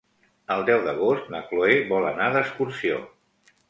El deu d'agost na Cloè vol anar d'excursió.